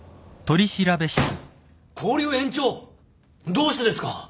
どうしてですか？